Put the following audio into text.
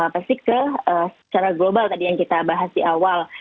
pasti ke secara global tadi yang kita bahas di awal